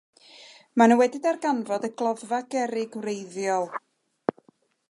Maen nhw wedi darganfod y gloddfa gerrig wreiddiol.